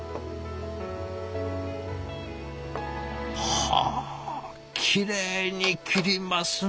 はあきれいに切りますね！